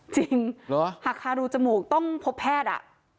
จริงหักคาดูจมูกต้องพบแพทย์อะ